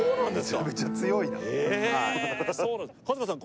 めちゃめちゃ強いな春日さん